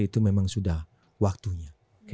itu memang sudah waktunya